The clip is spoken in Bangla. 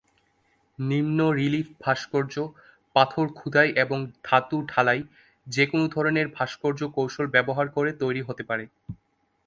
নিম্ন রিলিফ ভাস্কর্য, পাথর খোদাই এবং ধাতু ঢালাই যে কোন ভাস্কর্য কৌশল ব্যবহার করে তৈরি হতে পারে।